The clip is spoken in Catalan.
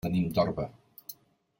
Venim d'Orba.